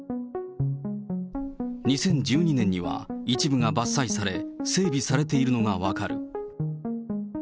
２０１２年には一部が伐採され、整備されているのが分かる。